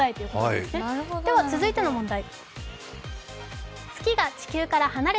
では続いての問題。